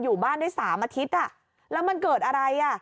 อยู่บ้านได้๓อาทิตย์แล้วมันเกิดอะไรอ่ะ